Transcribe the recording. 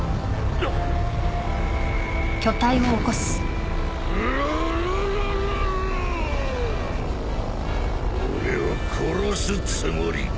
俺を殺すつもりかぁ？